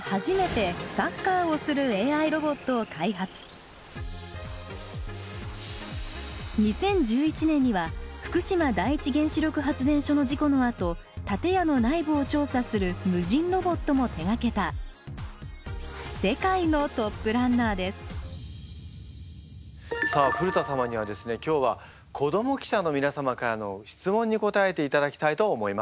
２３年前２０１１年には福島第一原子力発電所の事故のあと建屋の内部を調査する無人ロボットも手がけた世界のトップランナーですさあ古田様にはですね今日は子ども記者の皆様からの質問に答えていただきたいと思います。